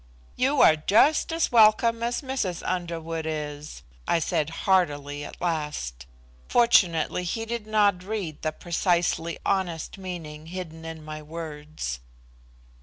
"You are just as welcome as Mrs. Underwood is," I said heartily at last. Fortunately he did not read the precisely honest meaning hidden in my words.